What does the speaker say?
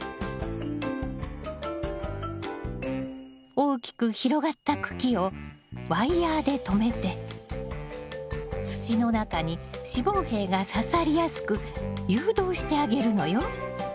大きく広がった茎をワイヤーでとめて土の中に子房柄がささりやすく誘導してあげるのよ。